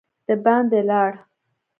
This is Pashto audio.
د باندي لاړ.